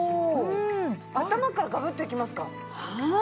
頭からガブッといきますか。